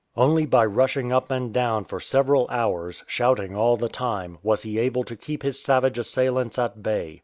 Only by rushing up and down for several hours, shouting all the time, was he able to keep his savage assailants at bay.